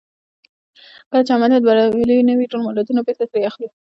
کله چې عملیات بریالي نه وي ټول مډالونه بېرته ترې اخلي.